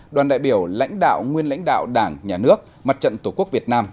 đoàn đại biểu lãnh đạo nguyên lãnh đạo đảng nhà nước mặt trận tổ quốc việt nam